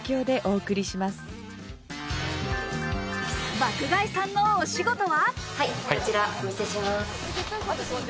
爆買いさんのお仕事は。